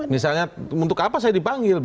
misalnya untuk apa saya dipanggil